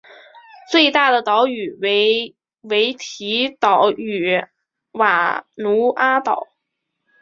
最大的岛屿为维提岛与瓦努阿岛。